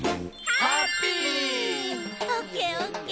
ハッピー！